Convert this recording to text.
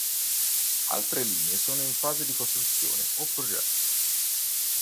Altre linee sono in fase di costruzione o progetto.